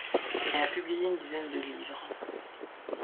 Elle a publié une dizaine de livres.